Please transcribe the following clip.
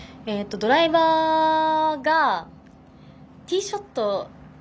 ドライバーがティーショット。